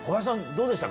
どうでした？